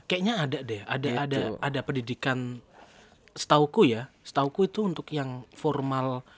kayaknya ada deh ada pendidikan setahuku ya setauku itu untuk yang formal